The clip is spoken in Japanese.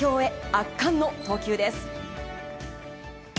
圧巻の投球です。